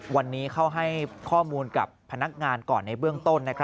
วันนี้เขาให้ข้อมูลกับพนักงานก่อนในเบื้องต้น